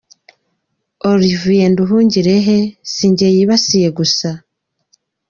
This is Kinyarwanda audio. Olivier Nduhungirehe, si njye yibasiye gusa.